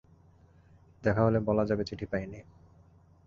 দেখা হলে বলা যাবে-চিঠি পাই নি!